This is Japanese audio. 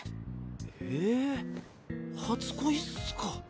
へっ初恋っすか。